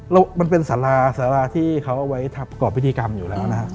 แล้วมันเป็นศาลาที่เขาเอาไว้ทำความพิธีกรรมอยู่แล้ว